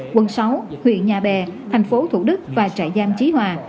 quận sáu huyện nhà bè thành phố thủ đức và trại giam trí hòa